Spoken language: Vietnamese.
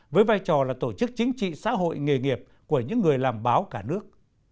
với vai trò là tổ chức chính trị xã hội nghề nghiệp của những người làm báo cả nước